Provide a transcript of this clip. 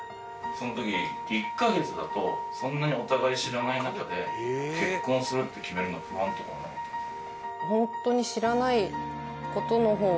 その時１カ月だとそんなにお互い知らない中で結婚するって決めるの不安とかなかったですか？